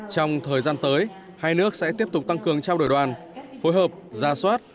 trong thời gian tới hai nước sẽ tiếp tục tăng cường trao đổi đoàn phối hợp gia soát